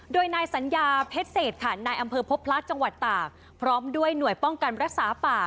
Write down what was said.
โดยนายสัญญาเพชรเศษค่ะนายอำเภอพบพระจังหวัดตากพร้อมด้วยหน่วยป้องกันรักษาป่า